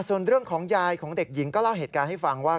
ส่วนเรื่องของยายของเด็กหญิงก็เล่าเหตุการณ์ให้ฟังว่า